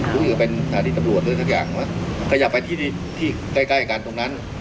หรือเป็นสถาดิตบรวจหรือสักอย่างขยับไปที่ใกล้กันตรงนั้น